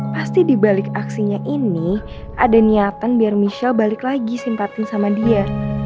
pasti dibalik aksinya ini ada niatan biar michelle balik lagi simpatin sama dia